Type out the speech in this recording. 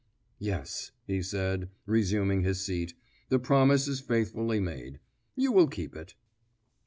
"Yes," he said, resuming his seat, "the promise is faithfully made. You will keep it."